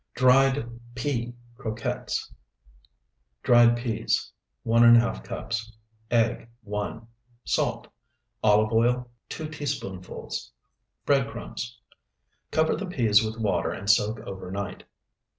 DRIED PEA CROQUETTES Dried peas, 1½ cups. Egg, 1. Salt. Olive oil, 2 teaspoonfuls. Bread crumbs. Cover the peas with water and soak overnight.